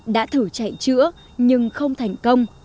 đã thử chạy chữa nhưng không thành công